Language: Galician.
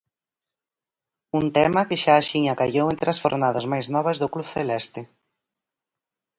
Un tema que xa axiña callou entre as fornadas máis novas do club celeste.